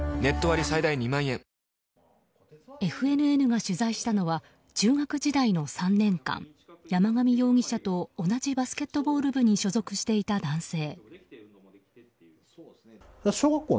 ＦＮＮが取材したのは中学時代の３年間山上容疑者と同じバスケットボール部に所属していた男性。